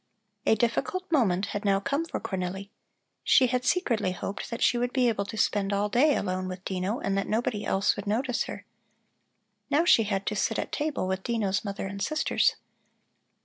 A difficult moment had now come for Cornelli. She had secretly hoped that she would be able to spend all day alone with Dino, and that nobody else would notice her. Now she had to sit at table with Dino's mother and sisters.